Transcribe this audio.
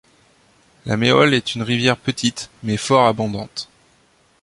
La Méholle est une rivière petite, mais fort abondante.